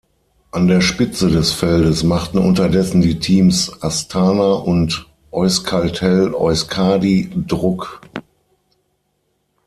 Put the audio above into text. An der Spitze des Feldes machten unterdessen die Teams Astana und Euskaltel-Euskadi Druck.